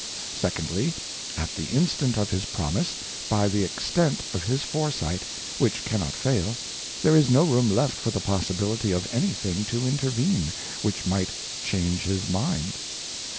Secondly, at the instant of his Promise, by the extent of his Foresight, which cannot fail, there is no room left for the possibility of any thing to intervene, which might change his mind.